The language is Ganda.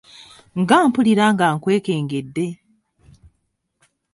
Nga mpulira nga nkwekengedde!